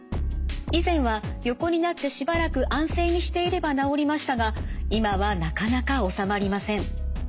以前は横になってしばらく安静にしていれば治りましたが今はなかなか治まりません。